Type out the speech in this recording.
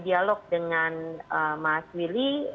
dialog dengan mas willy